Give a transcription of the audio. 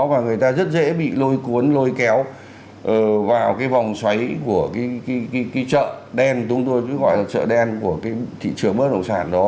và người ta rất dễ bị lôi cuốn lôi kéo vào cái vòng xoáy của cái chợ đen của thị trường bất động sản đó